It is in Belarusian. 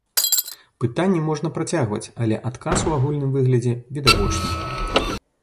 Пытанні можна працягваць, але адказ у агульным выглядзе відавочны.